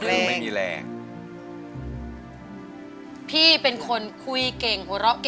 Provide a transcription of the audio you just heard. สวัสดีครับ